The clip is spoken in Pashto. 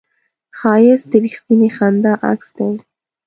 ښایست د رښتینې خندا عکس دی